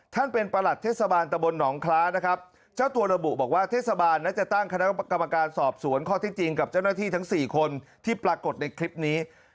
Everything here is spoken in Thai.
ท่านเป็นประหลัดเทศบาลตะบลหนองคล้านะครับเจ้าตัวระบุบอกว่าเทศบาลน่าจะตั้งคณะกรรมการสอบสวนข้อที่จริงกับเจ้าหน้าที่ทั้งสี่คนที่ปรากฏในคลิปนี้